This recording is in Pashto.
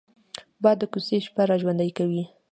باد د کوڅې شپه را ژوندي کوي